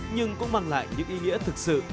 nhưng cũng mang lại những ý nghĩa thực sự